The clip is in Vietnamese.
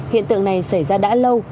hiện tượng này xảy ra đã lâu